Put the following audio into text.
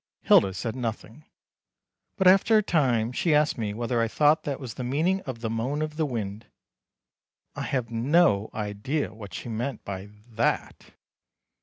Hilda said nothing, but after a time she asked me whether I thought that was the meaning of the moan of the wind. I have no idea what she meant by "that."